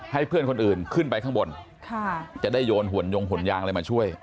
ให้เพื่อนคนอื่นขึ้นไปข้างบนจะได้โยนหุ่นยงหุ่นยางอะไรมาช่วย